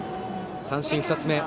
三振２つ目。